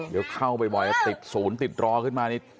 เดี๋ยวเข้าไปบ่อยติดศูนย์ติดรอขึ้นมานี่